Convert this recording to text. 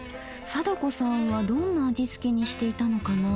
貞子さんはどんな味付けにしていたのかな？